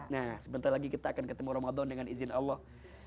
nah sebentar lagi kita akan ketemu ramadan dengan izin allah